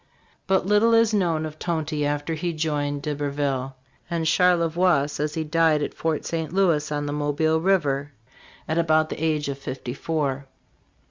* But little is known of Tonty after he joined D'Iberville; and Charlevoix says he died at Fort St. Louis on the Mobile river, at about the age of fifty four.